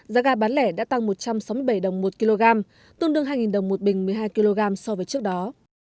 giá ga bán lẻ đã tăng một trăm sáu mươi bảy đồng một kg tương đương hai đồng một bình một mươi hai kg so với trước đó